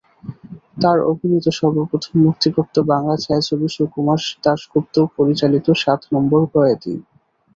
তাঁর অভিনীত সর্বপ্রথম মুক্তিপ্রাপ্ত বাংলা ছায়াছবি সুকুমার দাশগুপ্ত পরিচালিত সাত নম্বর কয়েদি।